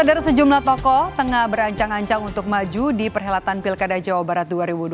kader sejumlah tokoh tengah berancang ancang untuk maju di perhelatan pilkada jawa barat dua ribu dua puluh